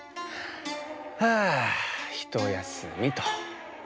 はあひとやすみと。